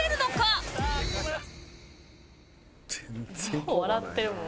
もう笑ってるもん。